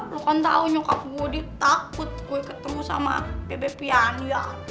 lo kan tau nyokap gue ditakut gue ketemu sama bebe pianya